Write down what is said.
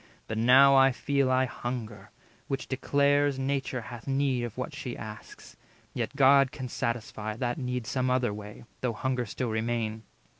But now I feel I hunger; which declares Nature hath need of what she asks. Yet God Can satisfy that need some other way, Though hunger still remain.